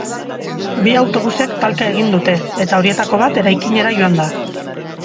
Bi autobusek talka egin dute, eta horietako bat eraikinera joan da.